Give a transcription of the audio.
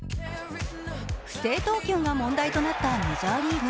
不正投球が問題となったメジャーリーグ。